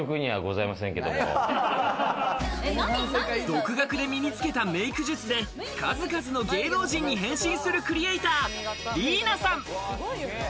独学で身につけたメイク術で数々の芸能人に変身するクリエイター・りいなさん。